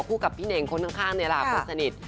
คู่กับพี่เน่งคนข้างในราบสนิท